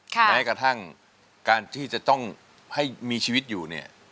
แม้กระทั่งการที่จะต้องให้มีชีวิตอยู่เนี่ย